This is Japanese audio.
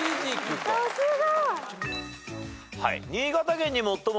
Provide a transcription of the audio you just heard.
さすが。